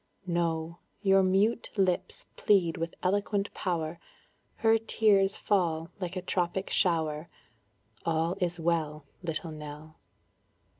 No; your mute lips plead with eloquent power, Her tears fall like a tropic shower; All is well, Little Nell.